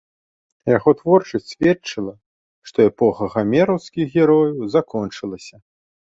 Яго творчасць сведчыла, што эпоха гамераўскіх герояў закончылася.